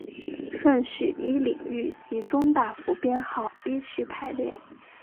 顺序依领域及中大服编号依序排列。